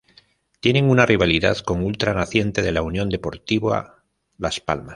Tienen una rivalidad con Ultra Naciente de la Unión Deportiva Las Palmas.